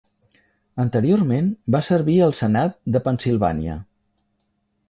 Anteriorment va servir al senat de Pennsilvània.